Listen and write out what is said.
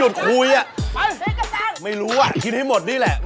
ต้องปวงเรียกไหมได้ไหม